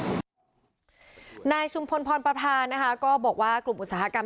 นายชุมพลพรประพานะคะก็บอกว่ากลุ่มอุตสาหกรรม